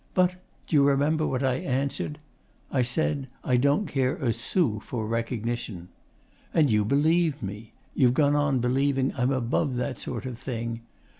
But d'you remember what I answered? I said "I don't care a sou for recognition." And you believed me. You've gone on believing I'm above that sort of thing.